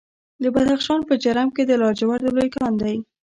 د بدخشان په جرم کې د لاجوردو لوی کان دی.